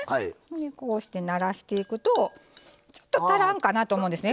こうしてならしていくとちょっと足らんかなと思うんですね。